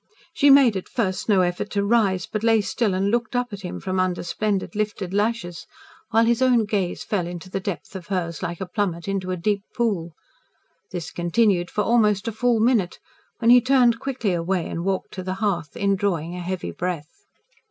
She made at first no effort to rise, but lay still and looked up at him from under splendid lifted lashes, while his own gaze fell into the depth of hers like a plummet into a deep pool. This continued for almost a full minute, when he turned quickly away and walked to the hearth, indrawing a heavy breath.